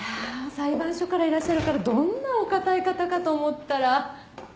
裁判所からいらっしゃるからどんなお堅い方かと思ったらアハハハ！